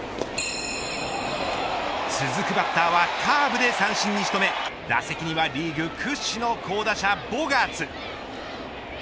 続くバッターはカーブで三振に仕留め打席にはリーグ屈指の好打者ボガーツ。